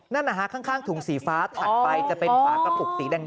นั่นนะฮะข้างถุงสีฟ้าถัดไปจะเป็นฝากระปุกสีแดง